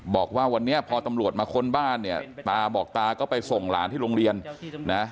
บอกว่าวันนี้พอตำรวจมาค้นบ้านเนี่ยตาบอกตาก็ไปส่งหลานที่โรงเรียนนะ